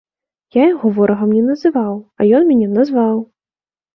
Я яго ворагам не называў, а ён мяне назваў!